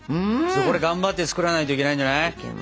これ頑張って作らないといけないんじゃない？